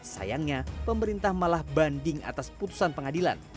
sayangnya pemerintah malah banding atas putusan pengadilan